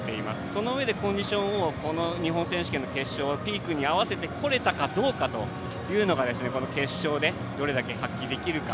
そのうえでコンディションをこの日本選手権の決勝をピークに合わせてこれたかどうかがこの決勝でどれだけ発揮できるか。